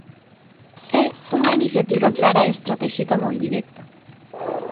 É unha iniciativa clara e estratéxica moi directa.